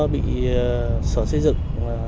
bị sở xây dựng